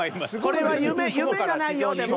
これは夢がないよでも。